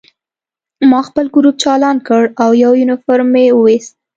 ما خپل ګروپ چالان کړ او یونیفورم مې وویست